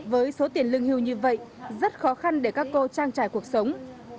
với số tiền lương hưu như vậy rất khó khăn để các cô trang trải cuộc sống